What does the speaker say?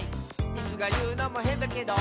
「イスがいうのもへんだけど」